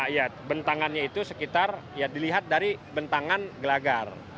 ya bentangannya itu sekitar ya dilihat dari bentangan gelagar